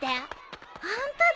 ホントだ。